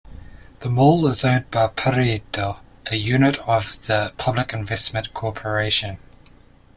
The mall is owned by Pareto, a unit of the Public Investment Corporation.